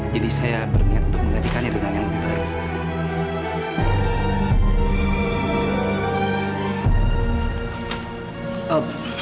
jadi saya berniat untuk mengajakkannya dengan yang lebih baik